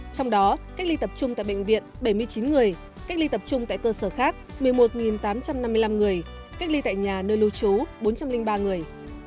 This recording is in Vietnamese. trong đó cách ly tập trung tại bệnh viện bảy mươi chín người cách ly tập trung tại cơ sở khác một mươi một tám trăm năm mươi năm người cách ly tại nhà nơi lưu trú bốn trăm linh ba người